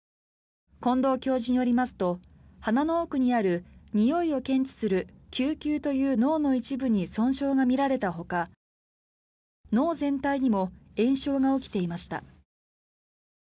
近藤教授によりますと鼻の奥にあるにおいを検知する嗅球という脳の一部に損傷が見られたほか脳全体にも炎症が起きていました。